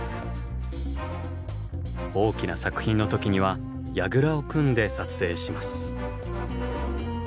大きな作品の時にはやぐらを組んで撮影します。